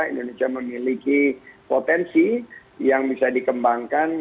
indonesia memiliki potensi yang bisa dikembangkan